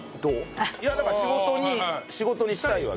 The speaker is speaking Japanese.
いやだから仕事に仕事にしたいわけ。